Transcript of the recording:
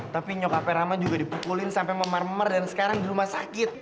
tapi nyokapera rama juga dipukulin sampai memar mar dan sekarang di rumah sakit